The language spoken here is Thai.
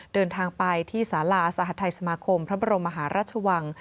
เดินทางไปที่สาราสหัสไทยสมาคมพระบรมมหาราชวัง